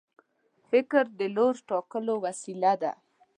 فکر د لور ټاکلو وسیله ده.